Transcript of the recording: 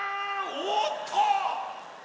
おっと！